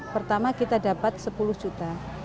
pertama kita dapat sepuluh juta